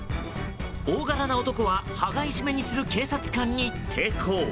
大柄な男は羽交い締めにする警察官に抵抗。